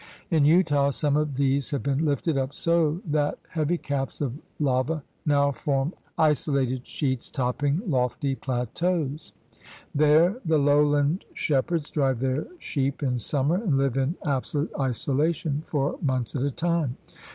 In Utah some of these have been lifted up so that heavy caps of lava now form isolated sheets GEOGRAPHIC PROVINCES 83 topping lofty plateaus. There the lowland shep herds drive their sheep in summer and hve in absolute isolation for months at a time.